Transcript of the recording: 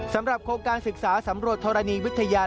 สำหรับโครงการศึกษาสำรวจธรณีวิทยา